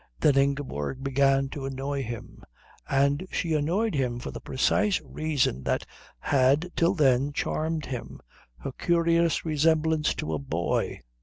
Then Ingeborg began to annoy him; and she annoyed him for the precise reason that had till then charmed him, her curious resemblance to a boy.